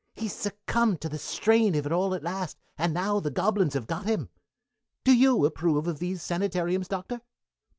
He's succumbed to the strain of it all at last, and now the gobelins have got him. Do you approve of these sanitariums, Doctor?"